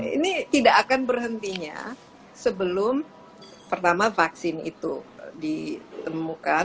ini tidak akan berhentinya sebelum pertama vaksin itu ditemukan